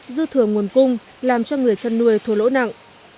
dư thừa nguồn cung làm cho người chăn nuôi thua lỗ nặng